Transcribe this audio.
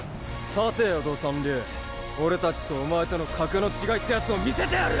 「立てよド三流」「俺たちとお前との格の違いってやつを見せてやる！」